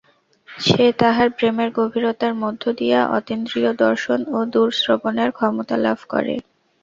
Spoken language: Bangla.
সে তাহার প্রেমের গভীরতার মধ্য দিয়া অতীন্দ্রিয় দর্শন ও দূর-শ্রবণের ক্ষমতা লাভ করে।